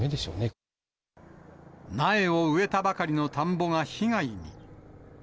苗を植えたばかりの田んぼが被害に。